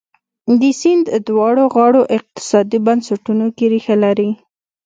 د سیند دواړو غاړو اقتصادي بنسټونو کې ریښه لري.